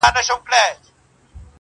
ستونی ولي په نارو څیرې ناحقه!!